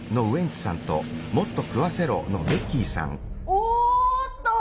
おっと。